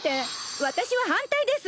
私は反対です！